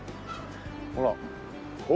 ほら。